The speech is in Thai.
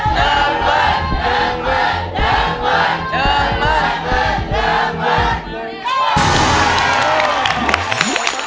เย้มเวิร์ดเย้มเวิร์ด